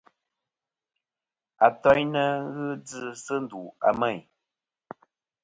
Atoynɨ fhɨ djɨ sɨ ndu a Meyn.